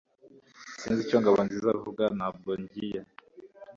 Sinzi icyo Ngabonziza avuga Ntabwo ngiye